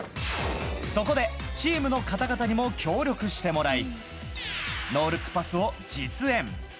そこで、チームの方々にも協力してもらいノールックパスを実演。